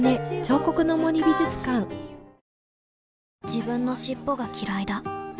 自分の尻尾がきらいだ